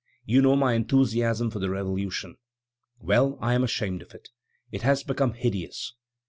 You know my enthusiasm for the Revolution; well, I am ashamed of it; it has become hideous.